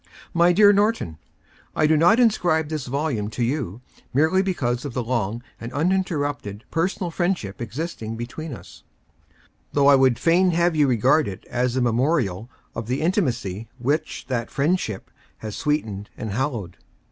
MT DEAR NORTON :— I do not inscribe this volume to you, merely because of the long and uninterrupted personal friendship existing between us, — though I would fain have you regard it as a memorial of the intimacy which that friendship has sweetened and hallowed.